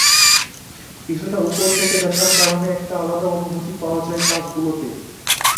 কিছুটা ওপর থেকে দেখার কারণে একটা আলাদা অনুভূতি পাওয়া যায় কাজগুলোতে।